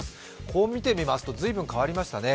こう見てみますと、随分変わりましたね